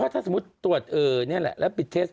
ถ้าสมมติตรวจเออแล้วปิดทดแชก